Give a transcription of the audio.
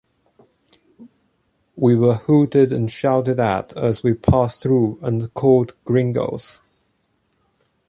We were hooted and shouted at as we passed through, and called gringoes.